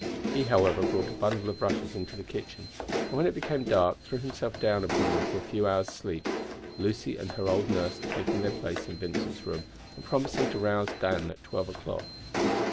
He, however, brought a bundle of rushes into the kitchen, and when it became dark threw himself down upon them for a few hours' sleep, Lucy and her old nurse taking their place in Vincent's room, and promising to rouse Dan at twelve o'clock.